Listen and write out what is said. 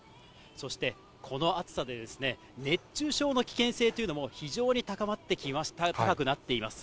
そして、この暑さで熱中症の危険性というのも非常に高まって、高くなっています。